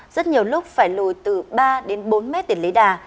rất nhiều lúc phải lùi từ ba đến bốn mét để lấy đà